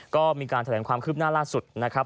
ก็มีการแถลงความคืบหน้าล่าสุดนะครับ